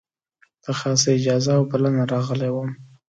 په خاصه اجازه او بلنه راغلی وم.